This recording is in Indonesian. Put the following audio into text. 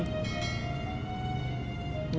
gak ada masalah